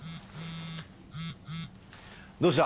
どうした？